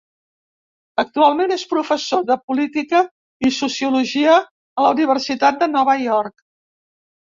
Actualment és professor de política i sociologia a la Universitat de Nova York.